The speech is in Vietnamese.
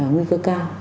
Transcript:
nguy cơ cao